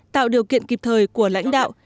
tạo điều kiện kịp thời của lãnh đạo